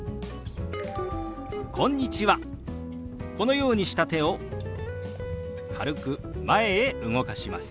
このようにした手を軽く前へ動かします。